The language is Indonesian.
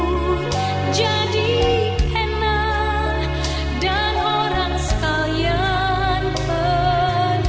menjadi pena dan orang sekalian penulis